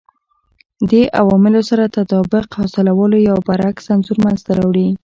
دې عواملو سره تطابق حاصلولو یو برعکس انځور منځته راوړي